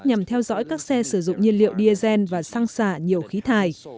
nhằm theo dõi các xe sử dụng nhiên liệu diesel và xăng xả nhiều khí thải